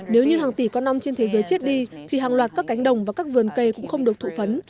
nếu như hàng tỷ con ong trên thế giới chết đi thì hàng loạt các cánh đồng và các vườn cây cũng không được thụ phấn